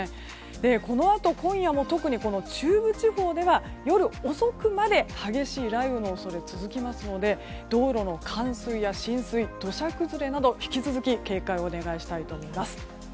このあと、今夜も特に中部地方では夜遅くまで激しい雷雨の恐れが続きますので道路の冠水や浸水土砂崩れなどに引き続き、警戒をお願いしたいと思います。